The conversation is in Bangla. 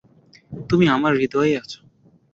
তুমি আমার হৃদয়েই আছো।